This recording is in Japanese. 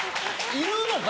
いるのか？